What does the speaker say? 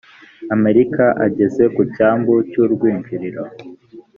amerika ageze ku cyambu cy urwinjiriro